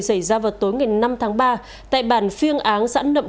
xảy ra vào tối ngày năm tháng ba tại bàn phiêng án giãn nậm